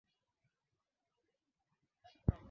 hilo lilikuwa wazo muhimu kulingana na maana ya ibara ya nne